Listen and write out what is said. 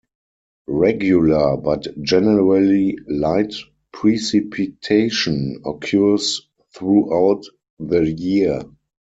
Regular but generally light precipitation occurs throughout the year.